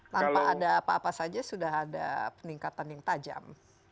tanpa ada apa apa saja sudah ada peningkatan yang tajam